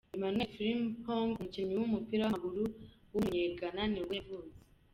Emmanuel Frimpong, umukinnyi w’umupira w’amaguru w’umunyegana nibwo yavutse.